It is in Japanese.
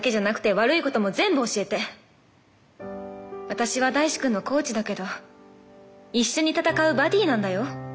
私は大志くんのコーチだけど一緒に戦うバディなんだよ。